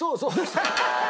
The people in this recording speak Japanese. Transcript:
ハハハハ！